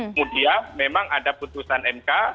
kemudian memang ada putusan mk